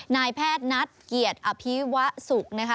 นายแพทย์นัทเกียรติอภิวสุขนะคะ